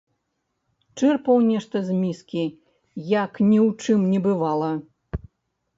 Чэрпаў нешта з міскі, як ні ў чым не бывала.